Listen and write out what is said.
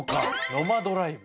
ノマドライフ。